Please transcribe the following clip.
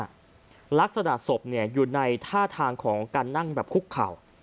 ข้างหน้าลักษณะศพอยู่ในท่าทางของการนั่งแบบคุกเข่า